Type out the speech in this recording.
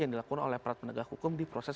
yang dilakukan oleh aparat penegak hukum di proses